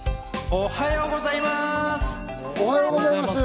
おっはようございます！